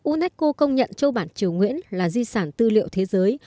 unesco công nhận châu bản triều nguyễn là di sản tư liệu thế giới